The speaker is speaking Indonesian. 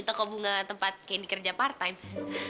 toko bunga tempat kenny kerja part time